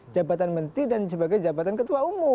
jabatan menteri dan sebagai jabatan ketua umum